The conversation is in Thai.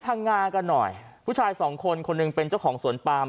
พังงากันหน่อยผู้ชายสองคนคนหนึ่งเป็นเจ้าของสวนปาม